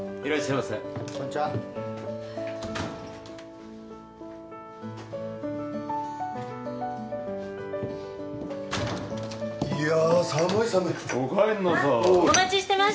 いや。